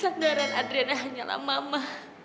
sanggaran adriana hanyalah mama